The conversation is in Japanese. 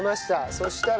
そしたら。